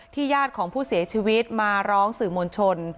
ญาติของผู้เสียชีวิตมาร้องสื่อมวลชน